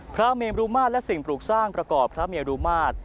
พระเมรุมาตรและสิ่งปลูกสร้างประกอบพระเมรุมาตร